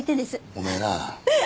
おめえなあ。